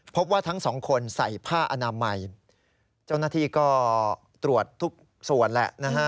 พบว่าทั้งสองคนใส่ผ้าอนามัยเจ้าหน้าที่ก็ตรวจทุกส่วนแหละนะฮะ